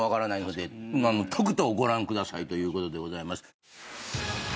とくとご覧くださいということでございます。